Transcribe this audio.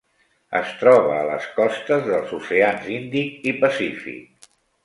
Es troba a les costes dels oceans Índic i Pacífic.